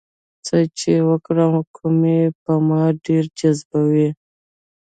څه چې وکړم کوم یې ما ډېر جذبوي؟